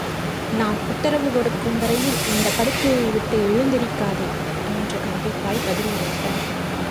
நான் உத்தரவு கொடுக்கும் வரையில் இந்தப் படுக்கையை விட்டு எழுந்திருக்காதே! என்று கண்டிப்பாய்ப் பதில் உரைத்தார்.